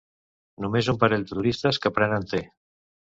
Només un parell de turistes que prenen te.